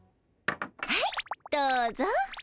はいどうぞ。